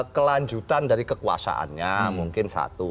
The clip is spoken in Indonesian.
kelanjutan dari kekuasaannya mungkin satu